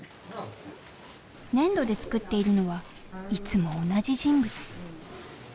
粘土で作っているのはいつも同じ人物。